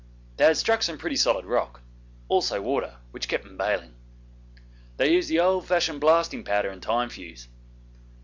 They had struck some pretty solid rock, also water which kept them baling. They used the old fashioned blasting powder and time fuse.